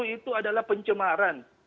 tiga puluh itu adalah pencemaran